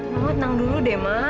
mamah tenang dulu deh mak